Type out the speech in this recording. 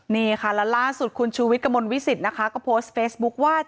นี่ค่ะแล้วล่าสุดคุณชูวิทย์กระมวลวิสิตนะคะก็โพสต์เฟซบุ๊คว่า